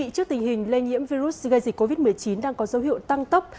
trước tình hình lây nhiễm virus gây dịch covid một mươi chín đang có dấu hiệu tăng tốc